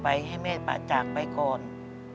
แต่ที่แม่ก็รักลูกมากทั้งสองคน